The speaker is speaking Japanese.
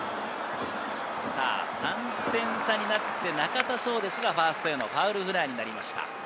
３点差になって中田翔ですが、ファーストへのファウルフライになりました。